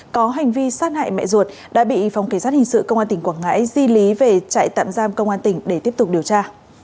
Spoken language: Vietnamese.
có hành vi sát hại mẹ ruột đã bị phòng kỳ sát hình sự công an tỉnh quảng ngãi di lý về trại tạm giam công an tỉnh để tiếp tục điều tra